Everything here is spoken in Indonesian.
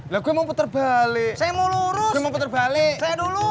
lah gue mau puter balik saya mau lurus gue mau puter balik saya dulu